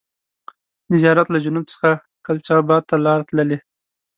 د زیارت له جنوب څخه کلچا بات ته لار تللې.